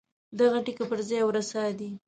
دغه ټکی پر ځای او رسا دی.